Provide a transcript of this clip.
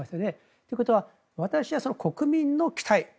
ということは、私は国民の期待